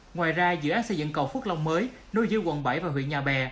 ngoài ra dự án xây dựng cầu phước long mới nối giữa quận bảy và huyện nhà bè